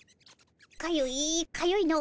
かゆいかゆいの。